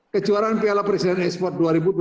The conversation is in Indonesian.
kejuaraan piala presiden e sport dua ribu dua puluh satu